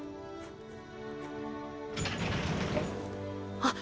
あっ！